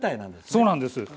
そうなんです。